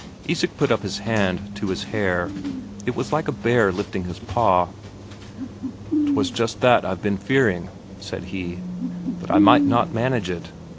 Isak put up his hand to his hair it was like a bear lifting his paw. "'Twas just that I've been fearing," said he. "That I might not manage it.